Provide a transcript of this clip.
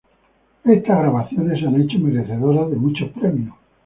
Estas grabaciones se han hecho merecedoras de muchos premios.